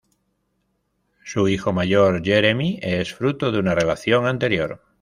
Su hijo mayor, Jeremy es fruto de una relación anterior.